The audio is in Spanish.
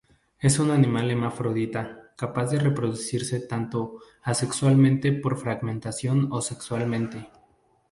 Es un animal hermafrodita capaz de reproducirse tanto asexualmente por fragmentación o sexualmente.